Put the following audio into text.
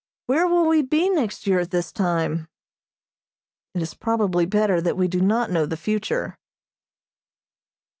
Where will we be next year at this time? It is probably better that we do not know the future.